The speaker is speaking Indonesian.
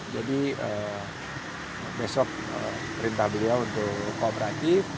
jadi besok perintah beliau untuk kooperatif